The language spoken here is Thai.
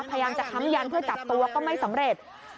พยายามจะค้ำยันเพื่อจับตัวก็ไม่สำเร็จ